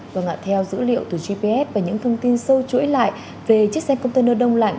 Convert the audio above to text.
vâng ạ theo dữ liệu từ gps và những thông tin sâu chuỗi lại về chiếc xe container đông lạnh